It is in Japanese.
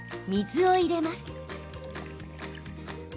水を入れます。